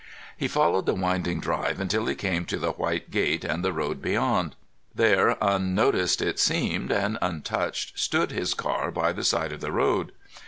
He followed the winding drive until he came to the white gate and the road beyond. There, unnoticed, it seemed, and untouched, stood his car by the side of the road.